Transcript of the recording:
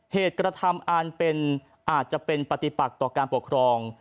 เหตุกระทำอันอาจจะเป็นปฏิปักต่อการปกครอง